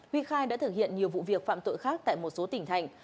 huy khai đã thực hiện nhiều vụ việc phạm tội khác tại một số tỉnh thành